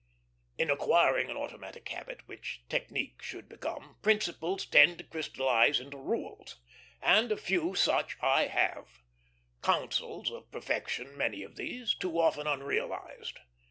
In acquiring an automatic habit, which technique should become, principles tend to crystallize into rules, and a few such I have; counsels of perfection many of these, too often unrealized.